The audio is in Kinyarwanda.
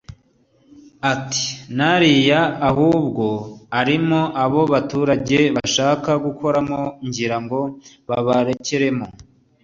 Ati “N’ariya ahubwo arimo abo baturage bashaka gukuramo ngira ngo babarekeramo